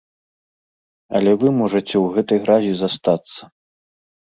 Але вы можаце ў гэтай гразі застацца.